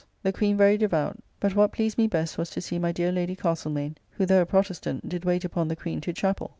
The Queene very devout: but what pleased me best was to see my dear Lady Castlemaine, who, tho' a Protestant, did wait upon the Queen to chappell.